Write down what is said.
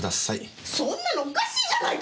そんなのおかしいじゃないか！